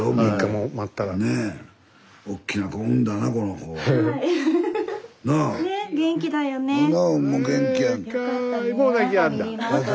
もう泣きやんだ。